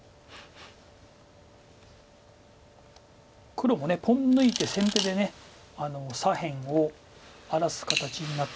黒もポン抜いて先手で左辺を荒らす形になって。